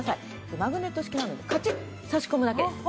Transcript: マグネット式なのでカチッと差し込むだけです。